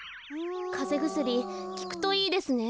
かぜぐすりきくといいですね。